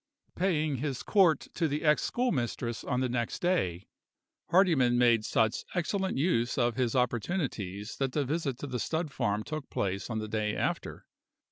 PAYING his court to the ex schoolmistress on the next day, Hardyman made such excellent use of his opportunities that the visit to the stud farm took place on the day after.